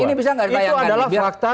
ini bisa enggak ditayangkan itu adalah fakta